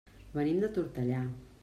Venim de Tortellà.